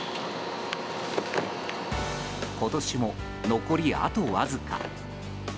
今年も残りあとわずか。